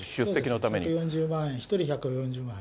１４０万円、１人１４０万円。